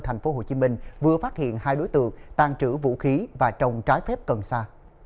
tp hồ chí minh vừa phát hiện hai đối tượng tàn trữ vũ khí và trồng trái phép cần xa